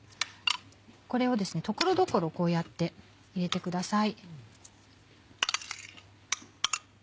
これを所々こうやって入れてください。